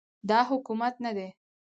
دا حکومت نه دی